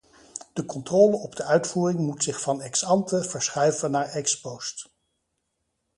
De controle op de uitvoering moet zich van ex ante verschuiven naar ex post.